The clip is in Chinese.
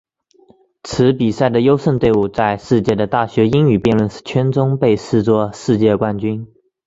此比赛的优胜队伍在世界的大学英语辩论圈中被视作世界冠军。